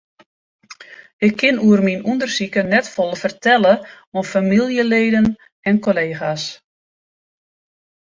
Ik kin oer myn ûndersiken net folle fertelle oan famyljeleden en kollega's.